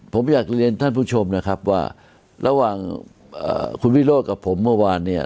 ผมอยากเรียนท่านผู้ชมนะครับว่าระหว่างคุณวิโรธกับผมเมื่อวานเนี่ย